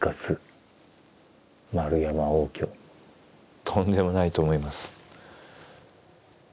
とんでもないと思います。